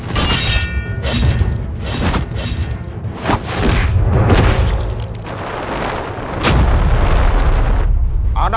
aku tidak mau menjaga diri